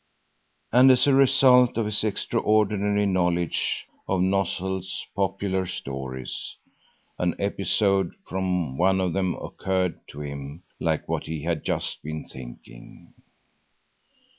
And as a result of his extraordinary knowledge of Nösselt's "Popular Stories," an episode from one of them occurred to him like what he had just been thinking.